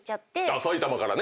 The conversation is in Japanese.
埼玉からね。